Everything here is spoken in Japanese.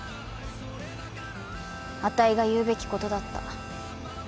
あたいが言うべきことだった。